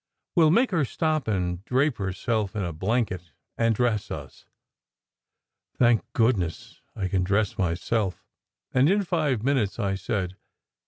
We ll make her stop and drape herself juTa blanket and dress us." "Thank goodness I can dress myself, and in five min utes," I said.